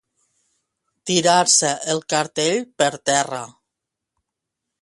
Tirar-se el cartell per terra.